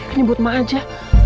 ini buat ma aja